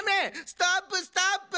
ストップストップ！